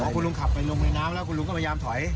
คุณลุงขับไปลงในน้ำแล้วคุณลุงก็พยายามถอย